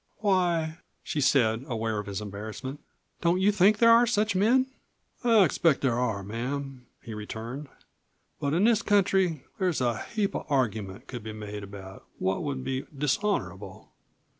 "Why," said she, aware of his embarrassment, "don't you think there are such men?" "I expect there are, ma'am," he returned; "but in this country there's a heap of argument could be made about what would be dishonorable.